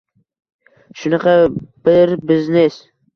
Shunaqa bir biznes.